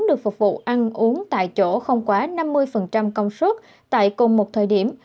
được phục vụ ăn uống tại chỗ không quá năm mươi công suất tại cùng một thời điểm